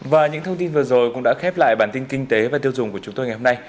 và những thông tin vừa rồi cũng đã khép lại bản tin kinh tế và tiêu dùng của chúng tôi ngày hôm nay